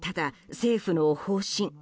政府の方針